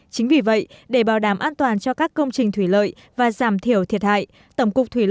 chính vì vậy để bảo đảm an toàn cho các công trình thủy lợi và giảm thiểu thiệt hại